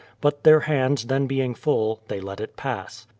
But their hands then being full, they let it pass.